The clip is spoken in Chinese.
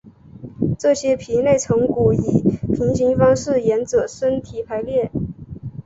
这些皮内成骨以平行方式沿者身体排列。